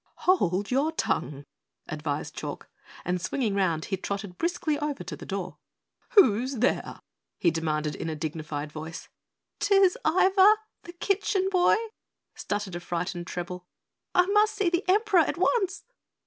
"Hold your tongue," advised Chalk, and swinging round he trotted briskly over to the door. "Who's there?" he demanded in a dignified voice. "'Tis I Iva the Kitchen Boy!" stuttered a frightened treble. "I must see the Emperor at once."